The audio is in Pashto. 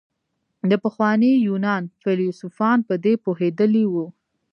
د پخواني يونان فيلسوفان په دې پوهېدلي وو.